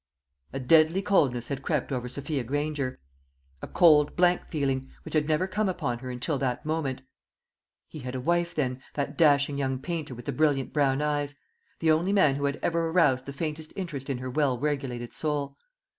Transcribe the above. A deadly coldness had crept over Sophia Granger a cold, blank feeling, which had never come upon her until that moment. He had a wife, then, that dashing young painter with the brilliant brown eyes the only man who had ever aroused the faintest interest in her well regulated soul.